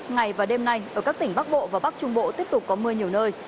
ngày và đêm nay ở các tỉnh bắc bộ và bắc trung bộ tiếp tục có mưa nhiều nơi